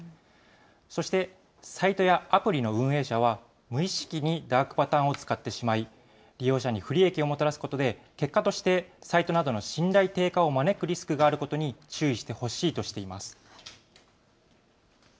そして、サイトやアプリの運営者は無意識にダークパターンを使ってしまい、利用者に不利益をもたらすことで、結果としてサイトなどの信頼低下を招くリスクがあることに注意してほしいとしています。